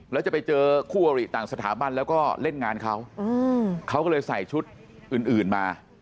แล้วจะไปเจอคู่อริต่างสถาบันแล้วก็เล่นงานเขาเขาก็เลยใส่ชุดอื่นมา